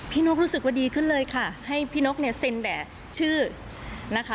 นกรู้สึกว่าดีขึ้นเลยค่ะให้พี่นกเนี่ยเซ็นแด่ชื่อนะคะ